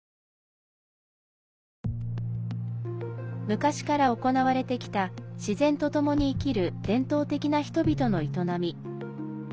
昔から行われてきた自然とともに生きる伝統的な人々の営み。